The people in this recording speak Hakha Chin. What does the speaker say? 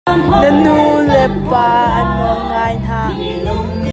Na nulepa an nawl ngai hna.